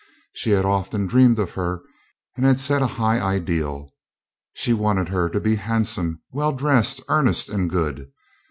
She had often dreamed of her, and had set a high ideal. She wanted her to be handsome, well dressed, earnest and good.